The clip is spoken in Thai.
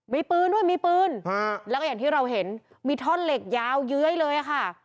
มีปืนด้วยมีปืนฮะแล้วก็อย่างที่เราเห็นมีท่อนเหล็กยาวเย้ยเลยค่ะ